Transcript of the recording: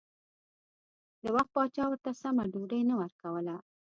د وخت پاچا ورته سمه ډوډۍ نه ورکوله.